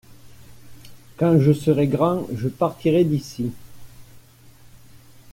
Quand je serais grand je partirai d’ici.